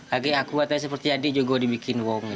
lagi aku katanya seperti adik juga dibikin wong